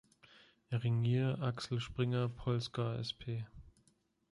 Ringier Axel Springer Polska Sp.